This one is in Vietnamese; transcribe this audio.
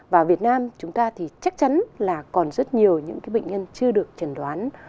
và việt nam chúng ta thì chắc chắn là còn rất nhiều những bệnh nhân chưa được trần đoán